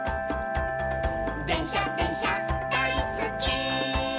「でんしゃでんしゃだいすっき」